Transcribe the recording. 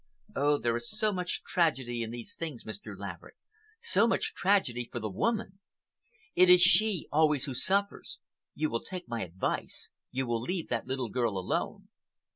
Oh, there is so much tragedy in these things, Mr. Laverick—so much tragedy for the woman! It is she always who suffers. You will take my advice. You will leave that little girl alone."